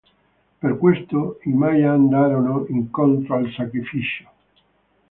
Per questo i maya andarono incontro al sacrificio.